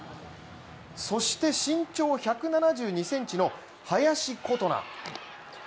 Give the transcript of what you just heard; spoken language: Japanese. そして身長１７２ｃｍの林琴奈。